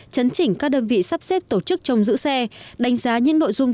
chấn chỉnh các đơn vị sắp xếp tổ chức trông giữ xe đánh giá những nội dung